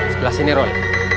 sebelah sini rol